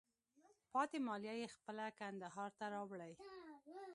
پاتې مالیه په خپله کندهار ته راوړئ.